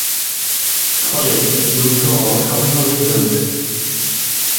ফলে যুদ্ধ অবশ্যম্ভাবী হয়ে উঠে।